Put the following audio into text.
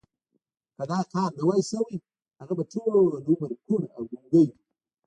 که دا کار نه وای شوی هغه به ټول عمر کوڼ او ګونګی و